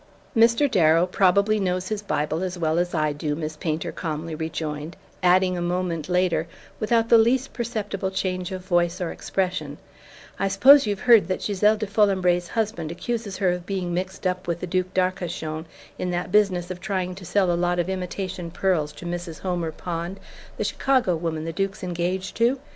"Mr. Darrow probably knows his Bible as well as I do," Miss Painter calmly rejoined; adding a moment later, without the least perceptible change of voice or expression: "I suppose you've heard that Gisele de Folembray's husband accuses her of being mixed up with the Duc d'Arcachon in that business of trying to sell a lot of imitation pearls to Mrs. Homer Pond, the Chicago woman the Duke's engaged to?